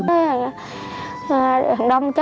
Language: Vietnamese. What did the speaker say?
đoàn đông chết là đoàn đông chết